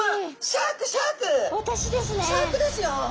シャークですよ。